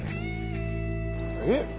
えっ？